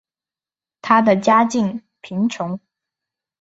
她的家境贫穷。